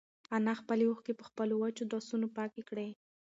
انا خپلې اوښکې په خپلو وچو لاسونو پاکې کړې.